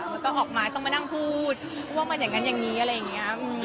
แล้วก็ออกมาต้องมานั่งพูดว่ามันอย่างนั้นอย่างนี้อะไรอย่างนี้